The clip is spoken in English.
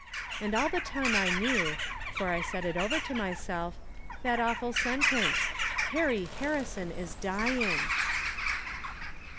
And all the time I knew, for I said it over to myself, that awful sentence :" Perry Harrison is dying!"